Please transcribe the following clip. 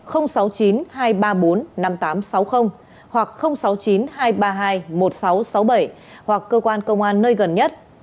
hoặc sáu mươi chín hai trăm ba mươi hai một nghìn sáu trăm sáu mươi bảy hoặc cơ quan công an nơi gần nhất